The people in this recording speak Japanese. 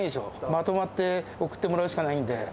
まとまって送ってもらうしかないんで。